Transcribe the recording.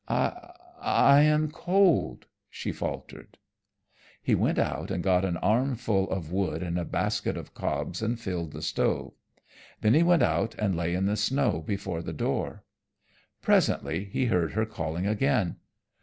"I am cold," she faltered. He went out and got an armful of wood and a basket of cobs and filled the stove. Then he went out and lay in the snow before the door. Presently he heard her calling again.